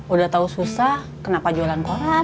udah tau susah kenapa jualan koran